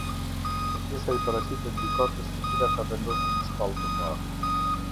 Kërkesa i paraqitet gjykatës e cila ka vendosur në shkallë të parë.